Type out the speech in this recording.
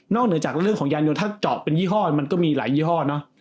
เหนือจากเรื่องของยานยนถ้าเจาะเป็นยี่ห้อมันก็มีหลายยี่ห้อเนอะ